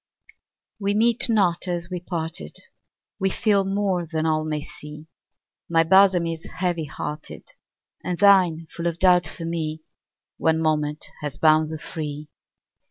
We meet not as we parted, We feel more than all may see; My bosom is heavy hearted, And thine full of doubt for me: One moment has bound the free.